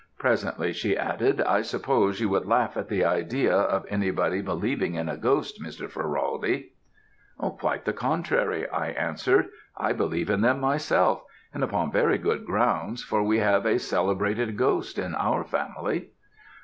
Presently,' she added, 'I suppose you would laugh at the idea of anybody believing in a ghost, Mr. Ferraldi.' "'Quite the contrary,' I answered; 'I believe in them myself, and upon very good grounds, for we have a celebrated ghost in our family.'